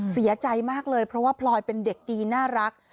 เสียใจมากเลยเพราะว่าพลอยเป็นเด็กดีน่ารัก